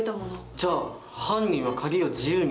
じゃあ犯人は鍵を自由に使える人物。